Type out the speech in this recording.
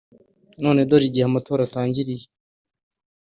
none dore igihe amatora atangiriye